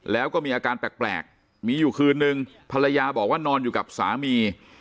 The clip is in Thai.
แล้วก็มีอาการแปลกมีอยู่คืนนึงภรรยาบอกว่านอนอยู่กับสามี